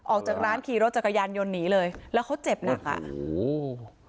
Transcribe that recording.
ออกจากร้านขี่รถจักรยานยนต์หนีเลยแล้วเขาเจ็บหนักอ่ะโอ้โห